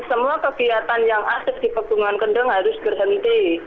semua kegiatan yang aset di pegunungan kendung harus berhenti